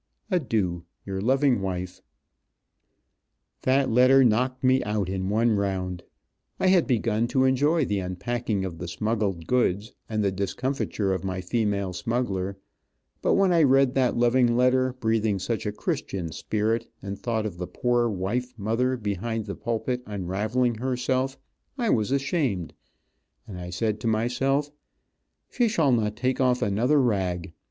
Adieu. "Your loving wife." That letter knocked me out in one round. I had begun to enjoy the unpacking of the smuggled goods, and the discomfiture of my female smuggler, but when I read that loving letter, breathing such a Christian spirit, and thought of the poor wife mother behind the pulpit unravelling herself, I was ashamed, and I said to myself, "she shall not take off another rag.